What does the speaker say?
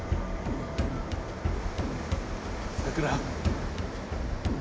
さくら。